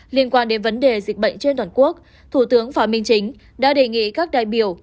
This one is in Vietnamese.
liên quan đến vấn đề dịch bệnh trên toàn quốc thủ tướng phạm minh chính đã đề nghị các đại biểu